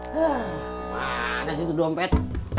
wah ada di situ dompet